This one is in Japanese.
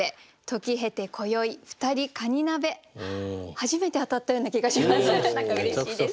初めて当たったような気がします。